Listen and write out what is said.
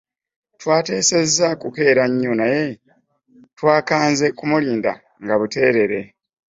Twateesezza kukeera nnyo naye twakanze kumulinda nga buteerere.